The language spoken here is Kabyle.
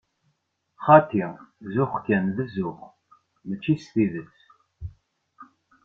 Xaṭi, zuxx kan d zzux, mačči s tidet.